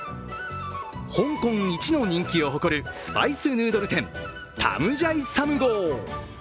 香港いちの人気を誇るスパイスヌードル店、タムジャイサムゴー。